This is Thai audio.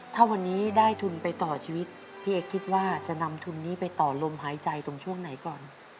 ถ้าวันนี้ได้ทุนไปต่อชีวิตพี่เอ็กซคิดว่าจะนำทุนนี้ไปต่อลมหายใจตรงช่วงไหนก่อน